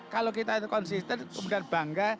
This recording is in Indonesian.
kalau kita itu konsisten kemudian bangga